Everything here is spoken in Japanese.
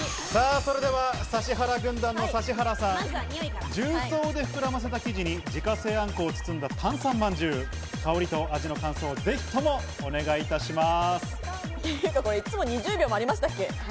それでは指原軍団の指原さん、重曹で膨らませた生地に自家製あんこを包んだタンサンまんじゅう、香りと味の違いを感想をぜひともお願いします。